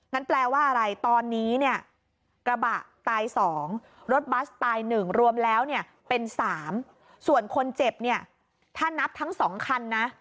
แปลว่าอะไรตอนนี้เนี่ยกระบะตาย๒รถบัสตาย๑รวมแล้วเนี่ยเป็น๓ส่วนคนเจ็บเนี่ยถ้านับทั้ง๒คันนะ